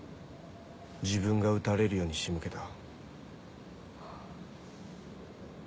自分が撃たれるように仕向けた。